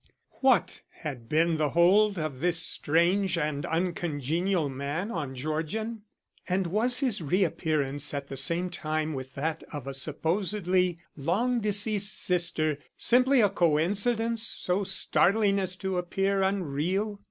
What had been the hold of this strange and uncongenial man on Georgian? And was his reappearance at the same time with that of a supposedly long deceased sister simply a coincidence so startling as to appear unreal?